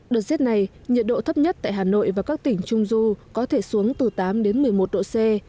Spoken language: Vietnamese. đợt rét này nhiệt độ thấp nhất tại hà nội và các tỉnh trung du có thể xuống từ tám đến một mươi một độ c